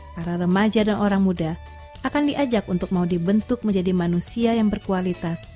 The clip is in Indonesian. para remaja dan orang muda akan diajak untuk mau dibentuk menjadi manusia yang berkualitas